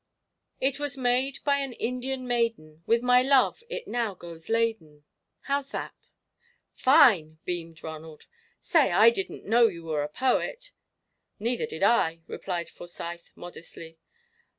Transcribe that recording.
"It was made by an Indian maiden With my love it now goes laden. "How's that?" "Fine!" beamed Ronald. "Say, I didn't know you were a poet!" "Neither did I," replied Forsyth, modestly.